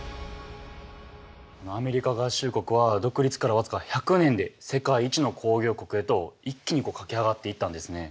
アメリカ合衆国は独立から僅か１００年で世界一の工業国へと一気に駆け上がっていったんですね。